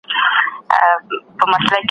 په سلا کي د وزیر هیڅ اثر نه وو